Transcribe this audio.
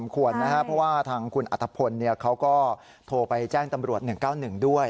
สำควรนะฮะเพราะว่าทางคุณอัตภพลเขาก็โทรไปแจ้งตำรวจหนึ่งเก้าหนึ่งด้วย